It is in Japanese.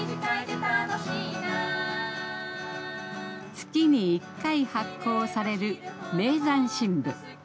月に１回発行される『名山新聞』。